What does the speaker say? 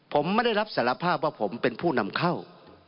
ผมไม่ได้รับสารภาพว่าผมเป็นผู้นำเข้า